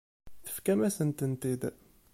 Tefkamt-asen-tent-id.